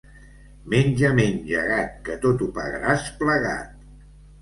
Menja, menja, gat, que tot ho pagaràs plegat.